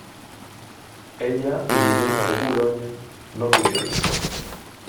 Ella y Guillermo de Boulogne no tuvieron hijos.